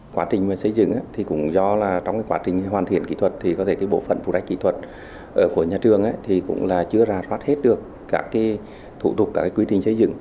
quá trình xây dựng cũng do trong quá trình hoàn thiện kỹ thuật bộ phận phụ đại kỹ thuật của nhà trường cũng chưa ra thoát hết được các thủ tục các quy trình xây dựng